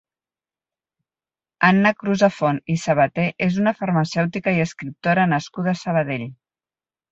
Anna Crusafont i Sabater és una farmacèutica i escriptora nascuda a Sabadell.